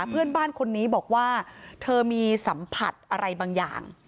เพื่อนบ้านคนนี้บอกว่าเธอมีสัมผัสอะไรบางอย่าง